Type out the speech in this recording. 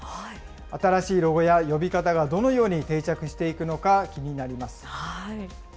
新しいロゴや呼び方がどのように定着していくのか、気になります。